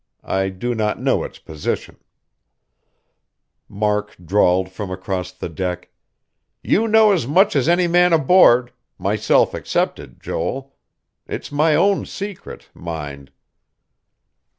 I do not know its position " Mark drawled from across the deck: "You know as much as any man aboard myself excepted, Joel. It's my own secret, mind."